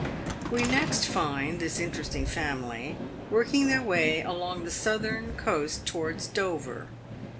We next find this interesting family working their way along the southern coast towards Hover.